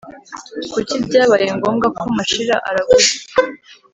kuki byabaye ngombwa ko mashira araguza?